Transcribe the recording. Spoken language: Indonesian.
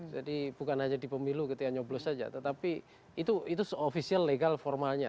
jadi bukan hanya di pemilu ketika nyoblos saja tetapi itu official legal formalnya